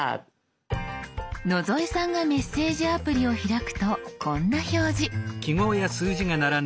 野添さんがメッセージアプリを開くとこんな表示。